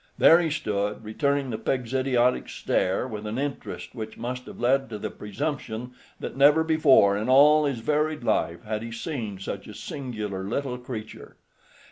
There he stood, returning the pig's idiotic stare with an interest which must have led to the presumption that never before in all his varied life had he seen such a singular little creature.